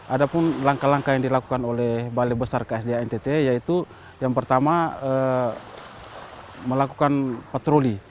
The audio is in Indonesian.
ada pun langkah langkah yang dilakukan oleh balai besar ksda ntt yaitu yang pertama melakukan patroli